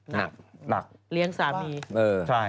หนักหนักเลี้ยงสามี